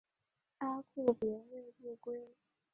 阿库别瑞度规。